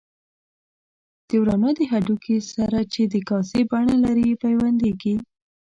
د ورانه د هډوکي سره چې د کاسې بڼه لري پیوندېږي.